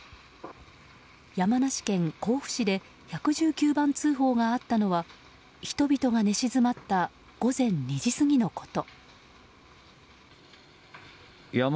山梨県甲府市で１１９番通報があったのは人々が寝静まった午前２時過ぎのこと。